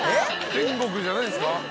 天国じゃないんですか？